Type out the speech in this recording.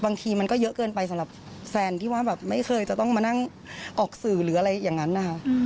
บางทีมันก็เยอะเกินไปสำหรับแฟนที่ว่าแบบไม่เคยจะต้องมานั่งออกสื่อหรืออะไรอย่างนั้นนะคะ